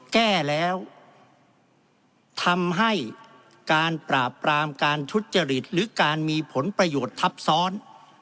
แก้แล้วทำให้การปราบปรามการทุจริตหรือการมีผลประโยชน์ทับซ้อน